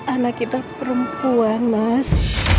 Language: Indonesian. anak kita perempuan mas